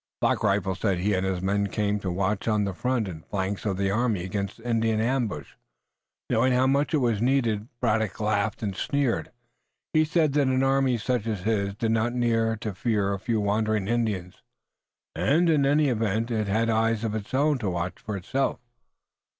Black Rifle said he and his men came to watch on the front and flanks of the army against Indian ambush, knowing how much it was needed. Braddock laughed and sneered. He said that an army such as his did not need to fear a few wandering Indians, and, in any event, it had eyes of its own to watch for itself.